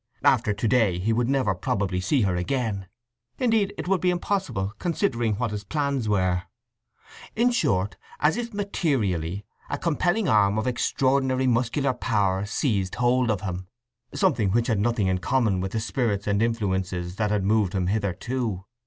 After to day he would never probably see her again. Indeed, it would be impossible, considering what his plans were. In short, as if materially, a compelling arm of extraordinary muscular power seized hold of him—something which had nothing in common with the spirits and influences that had moved him hitherto.